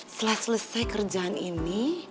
setelah selesai kerjaan ini